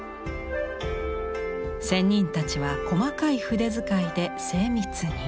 仙人たちは細かい筆遣いで精密に。